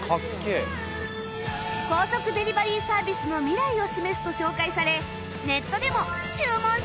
高速デリバリーサービスの未来を示すと紹介されネットでも「注文したい！」